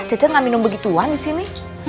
cecet gak minum begituan disini